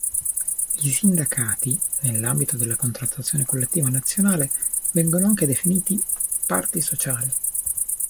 I sindacati, nell'ambito della contrattazione collettiva nazionale, vengono anche definiti "parti sociali".